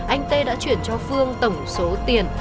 anh t đã chuyển cho phương tổng số tiền